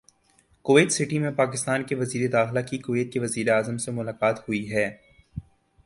Kuwait City میں پاکستان کے وزیر داخلہ کی کویت کے وزیراعظم سے ملاقات ہوئی ہے